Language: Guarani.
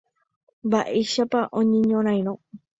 mba'éichapa oñeñorãirõ